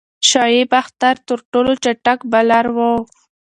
شعیب اختر تر ټولو چټک بالر وو.